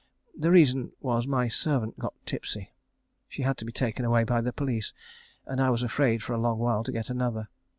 The reason was my servant got tipsy. She had to be taken away by the police and I was afraid for a long while to get another.